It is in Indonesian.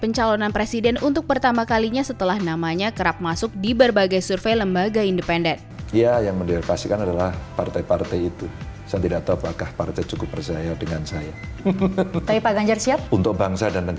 pencalonan presiden untuk pertama kalinya setelah namanya kerap masuk di berbagai survei lembaga independen